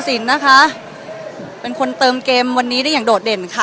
สวัสดีครับขออนุญาตถ้าใครถึงแฟนทีลักษณ์ที่เกิดอยู่แล้วค่ะ